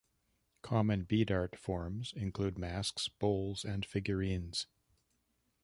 Common bead art forms include masks, bowls and figurines.